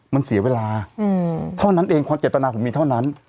มันเสียเวลาเท่านั้นเองความเจตนาผมมีเท่านั้น